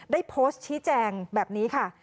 ได้โพสต์ชี้แจงแบบนี้ค่ะ